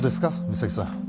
三咲さん